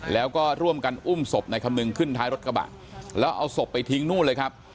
แล้วก็ร่วมกันอุ้มศพนายคำนึงขึ้นท้ายรถกระบะแล้วเอาศพไปทิ้งนู่นเลยครับ